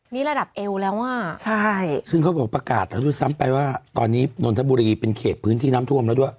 นี่ระดับเอวแล้วอ่ะใช่ซึ่งเขาบอกประกาศแล้วด้วยซ้ำไปว่าตอนนี้นนทบุรีเป็นเขตพื้นที่น้ำท่วมแล้วด้วย